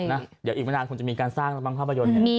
เดี๋ยวอีกมานานคงจะมีการสร้างรังบังภาพยนตร์นี่